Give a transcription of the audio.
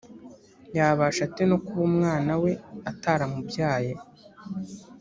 yabasha ate no kuba umwana we ataramubyaye